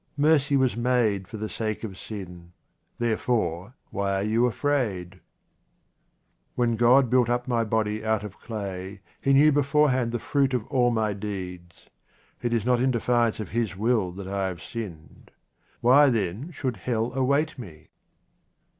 Mercy was made for the sake of sin ; therefore, why are you afraid ? 40 QUATRAINS OF OMAR KHAYYAM When God built up my body out of clay, He knew beforehand the fruit of all my deeds. It is not in defiance of His will that I have sinned. Why, then, should hell await me